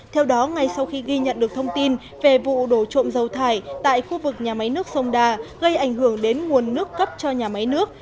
theo đó ngay sau khi ghi nhận được thông tin về vụ đổ trộm dầu thải tại khu vực nhà máy nước sông đà gây ảnh hưởng đến nguồn nước cấp cho nhà máy nước